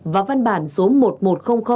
và văn bản số một nghìn một trăm linh